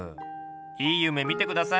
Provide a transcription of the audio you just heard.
いい夢見て下さい！